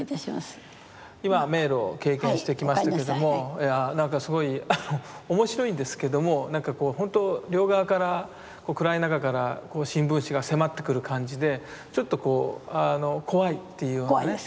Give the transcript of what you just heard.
いや何かすごい面白いんですけども何かこう本当両側から暗い中からこう新聞紙が迫ってくる感じでちょっとこう怖いっていうようなね。